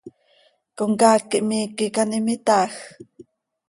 ¿Comcaac quih miiqui icaanim itaaj?